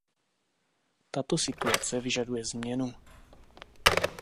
Tato situace vyžaduje změnu.